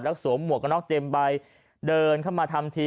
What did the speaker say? แล้วก็สวมหมวกกับนอกเต็มใบเดินเข้ามาทำที